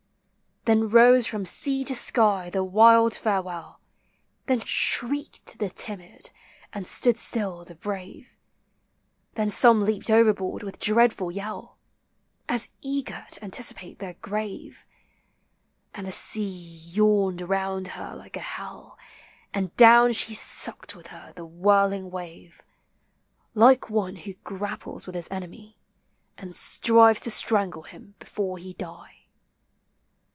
Then rose from sea to sky the wild farewell — Then shrieked the timid, and stood still the brave, — Then some leaped overboard with dreadful yell, As eager to anticipate their grave; And the sea yawned around her like a hell, And down she sucked with her the whirling wave, Like one who grapples with his enemy, And strives to strangle him before he die.